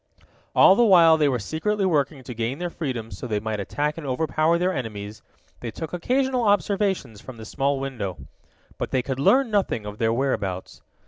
All the while they were secretly working to gain their freedom so they might attack and overpower their enemies, they took occasional observations from the small window. But they could learn nothing of their whereabouts.